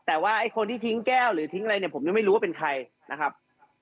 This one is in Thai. แต่ว่าไอ้คนที่ทิ้งแก้วหรือทิ้งอะไรเนี่ยผมยังไม่รู้ว่าเป็นใครนะครับ